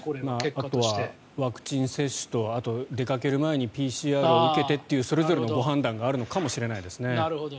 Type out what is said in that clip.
あとはワクチン接種と出かける前にＰＣＲを受けてというそれぞれのご判断があるのかもしれないですね。